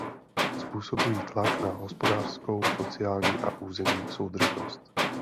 Způsobují tlak na hospodářskou, sociální a územní soudržnost.